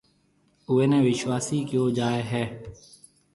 اُوئي نَي وِشواسي ڪهيَو جائي هيَ۔